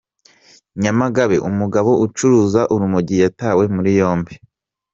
Nyamagabe: Umugabo ucuruza urumogi yatawe muri yombi.